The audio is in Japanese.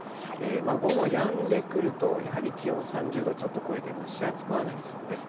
午後やんでくると、やはり気温３０度をちょっと超えて、蒸し暑くはなりそうです。